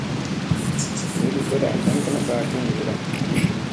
Doydi cooda ɗan kaa jeŋgeda.